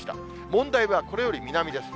問題はこれより南です。